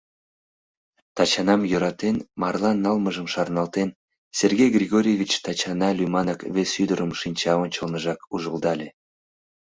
Тачанам йӧратен марлан налмыжым шарналтен, Сергей Григорьевич Тачана лӱманак вес ӱдырым шинча ончылныжак ужылдале.